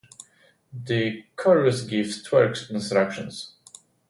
The chorus gives "twerk instructions".